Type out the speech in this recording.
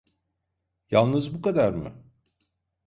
Yalnız bu kadar mı?